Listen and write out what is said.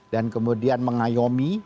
dan kemudian mengayomi